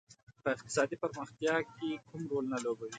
په اقتصادي پرمختیا کې کوم رول نه لوبوي.